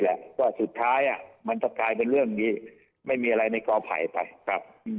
แหละว่าสุดท้ายมันจะกลายเป็นเรื่องนี้ไม่มีอะไรในกอไผ่ไปครับ